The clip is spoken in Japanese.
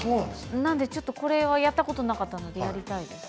ちょっとこれはやったことないのでやりたいです。